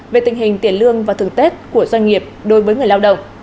về tình hình tiền lương và thưởng tết của doanh nghiệp đối với người lao động